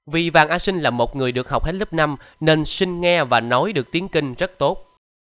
vì vàng a sinh là một người được học hết lớp năm nên sinh nghe và nói được tiếng kinh rất tốt